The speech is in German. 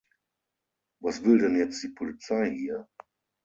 Was will denn jetzt die Polizei hier?